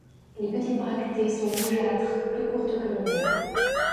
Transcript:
Les petites bractées sont rougeâtres, plus courtes que l'ovaire.